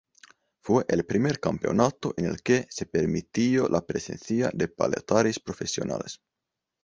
Fue el primer campeonato en el que se permitió la presencia de pelotaris profesionales.